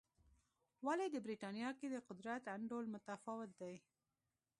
ولې د برېټانیا کې د قدرت انډول متفاوت و.